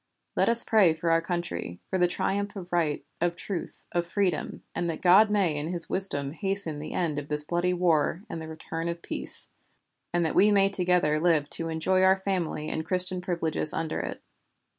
Let us pray for our country, for the triumph of right, of truth, of freedom, and that God may in His wisdom hasten the end of this bloody war and the return of peace; and that we may together live to enjoy our family and Christian privileges under it."